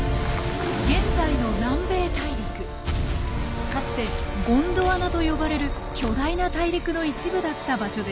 現在のかつてゴンドワナと呼ばれる巨大な大陸の一部だった場所です。